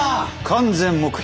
完全黙秘。